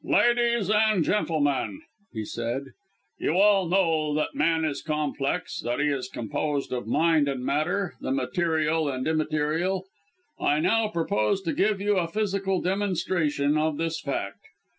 "Ladies and gentlemen," he said; "you all know that man is complex that he is composed of mind and matter, the material and immaterial. I now propose to give you a physical demonstration of this fact.